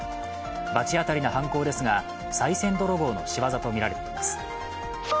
罰当たりな犯行ですが、さい銭泥棒の仕業とみられています。